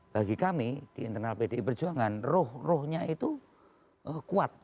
bagi kami di internal pdi perjuangan roh rohnya itu kuat